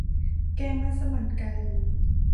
แกงมัสมั่นไก่